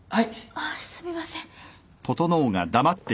ああすみません。